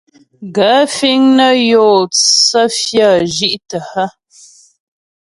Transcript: Gaə̂ fíŋ nə́ yó tsə́ fyə́ zhí'tə́ hə́ ?